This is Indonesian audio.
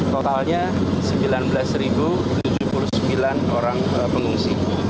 totalnya sembilan belas tujuh puluh sembilan orang pengungsi